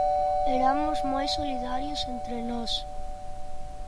Eramos moi solidarios entre nós.